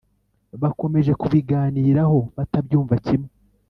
bakomeje kubiganiraho batabyumva kimwe